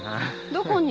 どこに？